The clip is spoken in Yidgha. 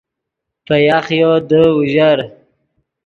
پے یاخیو دے اوژر